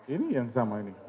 ini yang sama ini